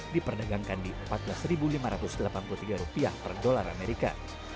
diperdagangkan di empat belas lima ratus delapan puluh tiga rupiah per dolar amerika